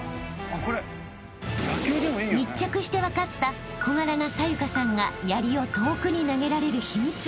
［密着して分かった小柄な紗優加さんがやりを遠くに投げられる秘密］